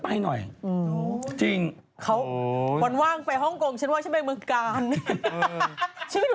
ไปทำไรไปทำอะไรไปเตี้ยว